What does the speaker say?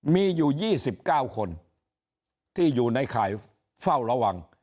มีอยู่๒๙คนที่อยู่ในข่ายเฝ้าระวัง